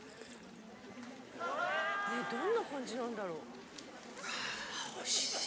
・ねえどんな感じなんだろう？